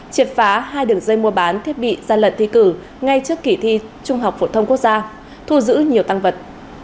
triệt phá hai đường dây mua bán thiết bị gian lận thi cử ngay trước kỳ thi trung học phổ thông quốc gia thu giữ nhiều tăng vật